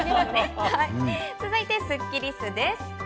続いてスッキりすです。